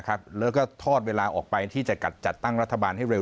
แล้วก็ทอดเวลาออกไปที่จะจัดตั้งรัฐบาลให้เร็ว